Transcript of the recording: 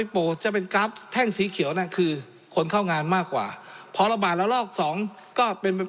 โปรดจะเป็นกราฟแท่งสีเขียวน่ะคือคนเข้างานมากกว่าพอระบาดแล้วลอกสองก็เป็น